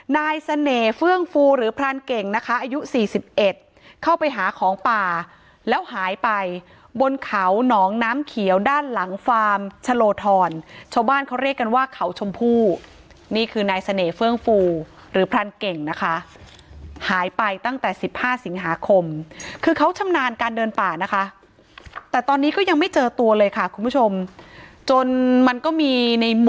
นายเสน่ห์เฟื่องฟูหรือพรานเก่งนะคะอายุ๔๑เข้าไปหาของป่าแล้วหายไปบนเขาหนองน้ำเขียวด้านหลังฟาร์มชะโลธรชาวบ้านเขาเรียกกันว่าเขาชมพู่นี่คือนายเสน่หเฟื่องฟูหรือพรานเก่งนะคะหายไปตั้งแต่สิบห้าสิงหาคมคือเขาชำนาญการเดินป่านะคะแต่ตอนนี้ก็ยังไม่เจอตัวเลยค่ะคุณผู้ชมจนมันก็มีในห